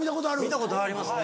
見たことありますね。